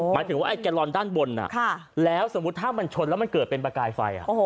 หมายถึงว่าไอ้แกลลอนด้านบนแล้วสมมุติถ้ามันชนแล้วมันเกิดเป็นประกายไฟ